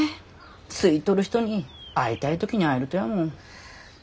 好いとる人に会いたい時に会えるとやもん。